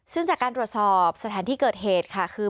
ซึ่งจากการตรวจสอบสถานที่เกิดเหตุค่ะคือ